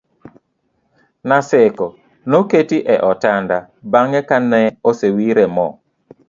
Naseko noketi e otanda bang'e ka ne osewire mo